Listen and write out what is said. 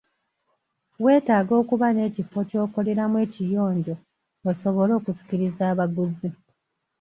Weetaaga okuba n'ekifo ky'okoleramu ekiyonjo osobole okusikiriza abaguzi.